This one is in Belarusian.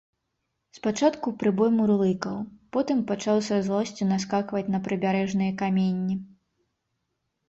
Спачатку прыбой мурлыкаў, потым пачаў са злосцю наскакваць на прыбярэжныя каменні.